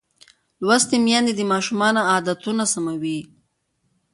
لوستې میندې د ماشوم عادتونه سموي.